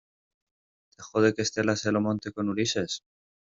¿ te jode que Estela se lo monte con Ulises?